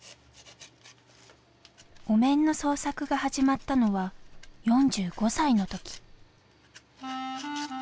お面の創作が始まったのは４５歳の時。